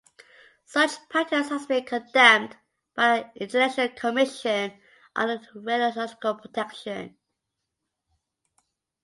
Such practice has been condemned by the International Commission on Radiological Protection.